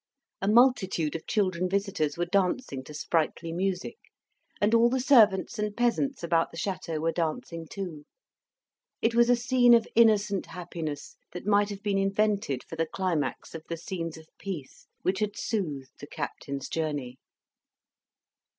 A multitude of children visitors were dancing to sprightly music; and all the servants and peasants about the chateau were dancing too. It was a scene of innocent happiness that might have been invented for the climax of the scenes of peace which had soothed the Captain's journey.